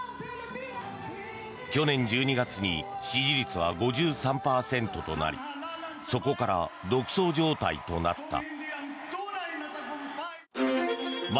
去年１２月に支持率は５３％となりそこから独走状態となった。